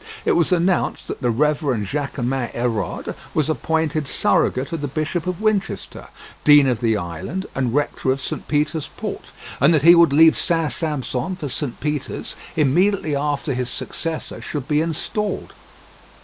It was announced that the Reverend Jaquemin Hérode was appointed surrogate of the Bishop of Winchester, dean of the island, and rector of St. Peter's Port, and that he would leave St. Sampson for St. Peter's immediately after his successor should be installed.